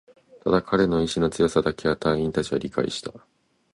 ただ、彼の意志の強さだけは隊員達は理解した